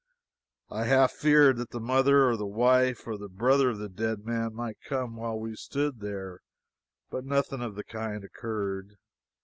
I half feared that the mother, or the wife or a brother of the dead man might come while we stood there, but nothing of the kind occurred.